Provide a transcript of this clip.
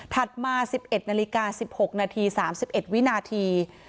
ถัดมา๑๑นาฬิกา๑๖ณ๓๑วินาที